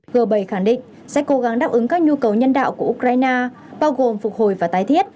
g bảy khẳng định sẽ cố gắng đáp ứng các nhu cầu nhân đạo của ukraine bao gồm phục hồi và tái thiết